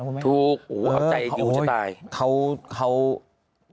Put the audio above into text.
ถูกขอบใจกินวิดีโอกว่าจะตาย